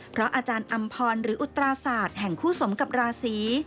เพราะอาจารย์อำพรหรืออุตราศาสตร์แห่งคู่สมกับราศี